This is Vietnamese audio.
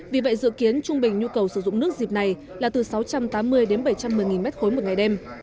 vì vậy dự kiến trung bình nhu cầu sử dụng nước dịp này là từ sáu trăm tám mươi đến bảy trăm một mươi m ba một ngày đêm